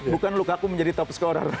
bukan lukaku menjadi top scorer